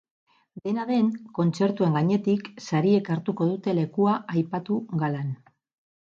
Dena den, kontzertuen gainetik, sariek hartuko dute lekua aipatu galan.